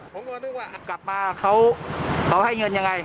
ผมก็นึกว่ากลับมาเขาให้เงินยังไง